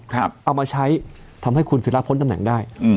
เอามาใช้ทำให้คุณศิราพ้นตำแหน่งได้